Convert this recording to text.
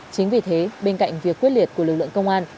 chính vì thế bên cạnh việc quyết liệt của lực lượng công an